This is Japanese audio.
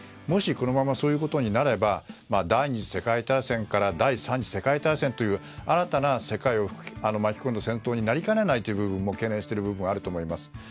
もし、このままそういうことになれば第２次世界大戦から第３次世界大戦という新たな世界を巻き込んだ戦闘になりかねないという部分も懸念していると思います。